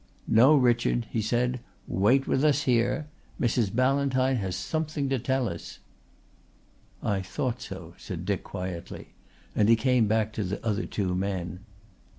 "No, Richard," he said. "Wait with us here. Mrs. Ballantyne has something to tell us." "I thought so," said Dick quietly, and he came back to the other two men.